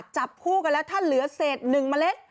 จับคู่กันแล้วถ้าเหลือเศษ๑เมล็ด